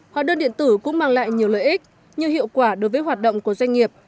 hóa đơn điện tử cũng mang lại nhiều lợi ích như hiệu quả đối với hoạt động của doanh nghiệp